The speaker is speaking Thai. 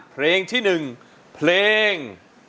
เพลงที่๑เพลง